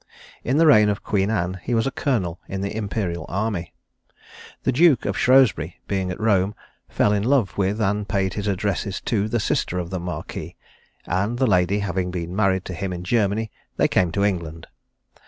In the reign of Queen Anne he was a Colonel in the imperial army. The Duke of Shrewsbury, being at Rome, fell in love with and paid his addresses to the sister of the Marquis; and the lady having been married to him in Germany, they came to England.